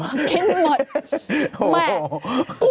ไม่มีคิดหมด